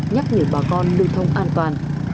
cho người tham gia giao thông an toàn